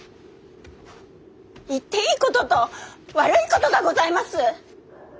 言っていいことと悪いことがございます！